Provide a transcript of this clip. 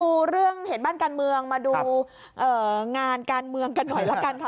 ดูเรื่องเหตุบ้านการเมืองมาดูงานการเมืองกันหน่อยละกันค่ะ